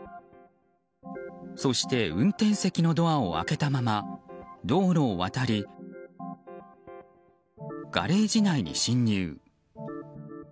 そして運転席のドアを開けたまま道路を渡りガレージ内に侵入。